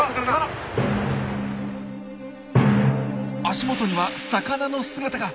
足元には魚の姿が！